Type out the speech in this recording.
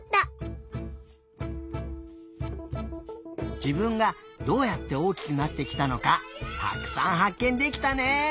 自分がどうやって大きくなってきたのかたくさんはっけんできたね！